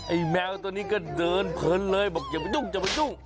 ไอ้แมวตัวนี้ก็เดินเพลินเลยบอกอย่าไปดุ้ง